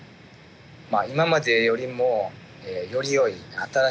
今までよりもよりよい新しい食材。